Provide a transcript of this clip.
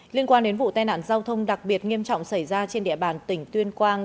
liên quan đến vụ tai nạn giao thông đặc biệt nghiêm trọng xảy ra trên địa bàn tỉnh tuyên quang